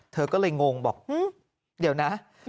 เธอก็เลยงงบอกเดี๋ยวนะ